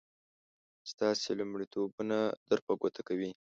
ستاسې لومړيتوبونه در په ګوته کوي.